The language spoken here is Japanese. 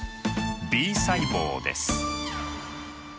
Ｂ細胞です。